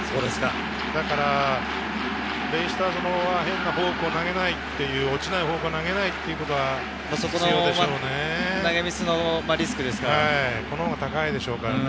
だからベイスターズのほうは変なフォークを投げない、落ちないフォークは投げないということはね、あるでしょうね。